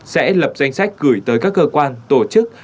sẽ lập danh sách gửi tới các cơ quan tổ chức